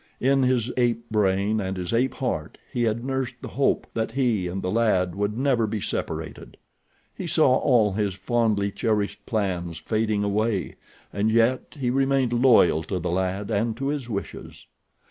In his ape brain and his ape heart he had nursed the hope that he and the lad would never be separated. He saw all his fondly cherished plans fading away, and yet he remained loyal to the lad and to his wishes.